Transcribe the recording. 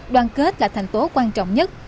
đoàn kết là thành tố quan trọng nhất